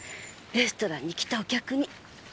レストランに来たお客に。